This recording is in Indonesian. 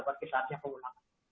berarti saatnya pengulangan